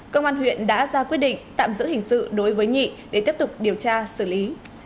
công an huyện đã ra quyết định tạm giữ hình sự đối với nhị để tiếp tục điều tra xử lý